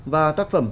và tác phẩm